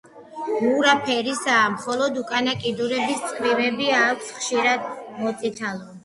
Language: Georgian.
მურა ფერისაა, მხოლოდ უკანა კიდურების წვივები აქვს ხშირად მოწითალო.